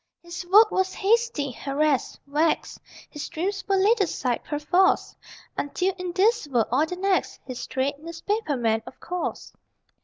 His work was hasty, harassed, vexed: His dreams were laid aside, perforce, Until in this world, or the next.... (His trade? Newspaper man, of course!)